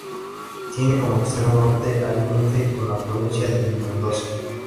Tiene como extremo norte al límite con la Provincia de Mendoza.